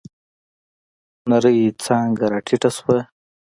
نرۍ څانگه راټيټه شوه.